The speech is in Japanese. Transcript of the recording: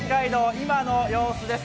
今の様子です。